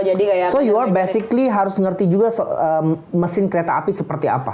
jadi lo basically harus ngerti juga mesin kereta api seperti apa